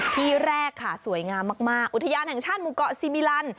ที่แรกค่ะสวยงามมากอุทยานแห่งชาติหมู่เกาะซีมิลัน